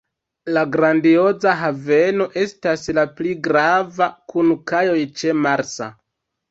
La Grandioza Haveno estas la pli grava, kun kajoj ĉe Marsa.